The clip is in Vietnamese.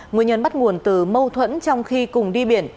nguyên nhân bắt nguồn từ mâu thuẫn trong khi cùng đi biển